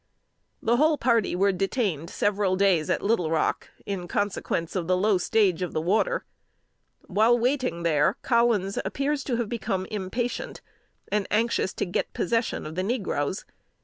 The whole party were detained several days at Little Rock in consequence of the low stage of water. While waiting here, Collins appears to have become impatient, and anxious to get possession of the negroes.